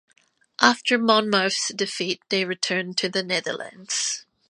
After Monmouth's defeat, they returned to the Netherlands.